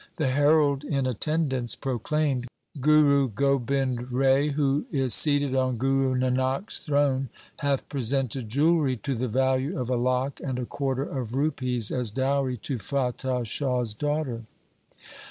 The herald in attendance proclaimed :' Guru Gobind Rai, who is seated on Guru Nanak's throne, hath presented jewellery to the value of a lakh and a quarter of rupees as dowry to Fatah Shah's daughter.'